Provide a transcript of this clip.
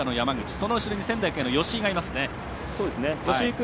その後ろに仙台育英の吉居がいますね。